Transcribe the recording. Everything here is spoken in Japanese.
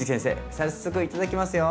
早速頂きますよ！